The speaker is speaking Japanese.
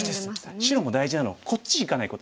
白も大事なのはこっちいかないことですね。